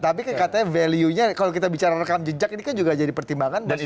tapi katanya value nya kalau kita bicara rekam jejak ini kan juga jadi pertimbangan